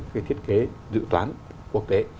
cái thiết kế dự toán quốc tế